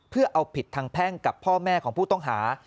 เพื่อเอาผิดทางแพ่งกับพ่อแม่ของผู้ต้องหา